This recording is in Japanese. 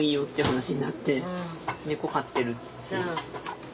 猫飼ってるし。